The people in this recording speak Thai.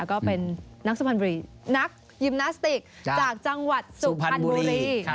ก็เป็นนักยิมนาสติกจากจังหวัดสุพรรณบุรี